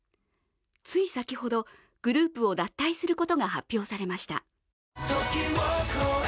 つい先ほど、グループを脱退することが発表されました。